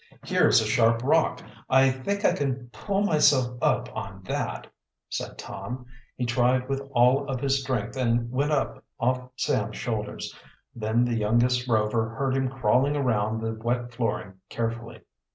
"Here is a sharp rock; I think I can pull myself up on that," said Tom. He tried with all of his strength and went up off Sam's shoulders. Then the youngest Rover heard him crawling around the wet flooring carefully.